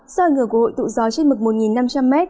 do ảnh hưởng của hội tụ gió trên mực một năm trăm linh m